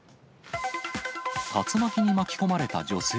竜巻に巻き込まれた女性。